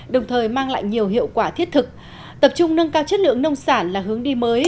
đồng thời mang lại nhiều hiệu quả thiết thực tập trung nâng cao chất lượng nông sản là hướng đi mới